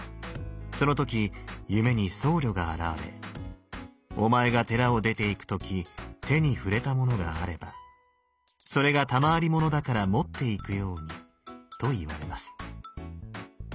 その時夢に僧侶が現れ「お前が寺を出て行く時手に触れたものがあればそれが賜り物だから持って行くように」と言われます。